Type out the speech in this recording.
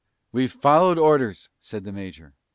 "We've followed orders," said the major.